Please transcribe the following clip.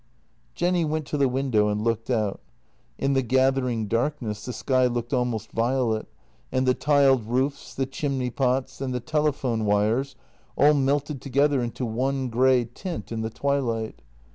Jenny went to the window and looked out. In the gathering darkness the sky looked almost violet, and the tiled roofs, the chimney pots, and the telephone wires all melted together into JENNY 193 one grey tint in the twilight.